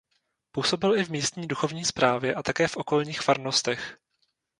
Působil i v místní duchovní správě a také v okolních farnostech.